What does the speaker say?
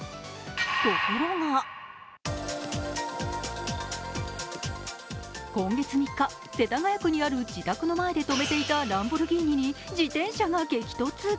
ところが、今月３日、世田谷区にある自宅前に止めていたランボルギーニに自転車が激突。